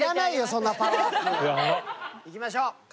いきましょう。